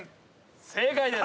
正解です。